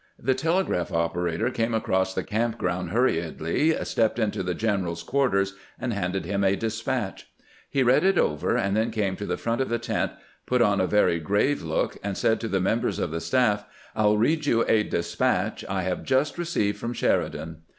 The telegraph operator came across the camp ground hurriedly, stepped HOW GEANT RECEIVED THE NEWS FROM CEDAR CREEK 307 into the general's quarters, and handed him a despatch He read it over, and then came to the front of the tent, put on a very grave look, and said to the members of the staff :" I '11 read you a despatch I have just received from Sheridan."